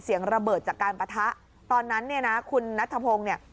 เสียงระเบิดจากการปะทะตอนนั้นเนี่ยนะคุณนัทธพงศ์เนี่ย